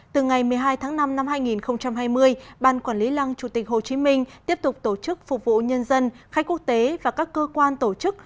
từ ngày một mươi hai tháng năm năm hai nghìn hai mươi ban quản lý lăng chủ tịch hồ chí minh tiếp tục tổ chức phục vụ nhân dân khách quốc tế và các cơ quan tổ chức